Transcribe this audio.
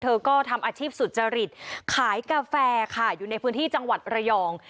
เธอก็ทำอาชีพสุจริตขายกาแฟค่ะอยู่ในพื้นที่จังหวัดระยอง